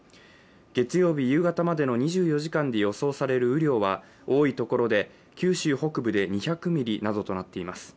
月曜日夕方までの２４時間で予想される雨量は多い所で九州北部で２００ミリなどとなっています。